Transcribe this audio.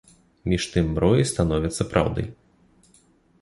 Між тым мроі становяцца праўдай.